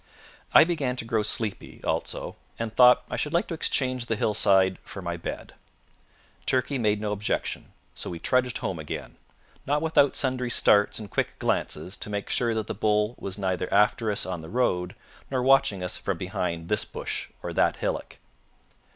I began to grow sleepy, also, and thought I should like to exchange the hillside for my bed. Turkey made no objection, so we trudged home again; not without sundry starts and quick glances to make sure that the bull was neither after us on the road, nor watching us from behind this bush or that hillock.